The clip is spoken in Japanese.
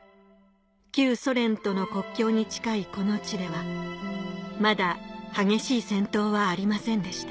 旧ソ連との国境に近いこの地ではまだ激しい戦闘はありませんでした